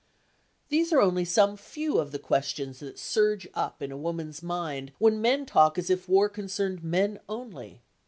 These are only some few of the questions that surge up in a woman's mind when men talk as if war concerned men only.